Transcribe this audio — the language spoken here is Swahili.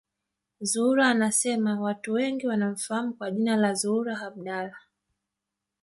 Zuhura anasema watu wengi wanamfahamu kwa jina la Zuhura Abdallah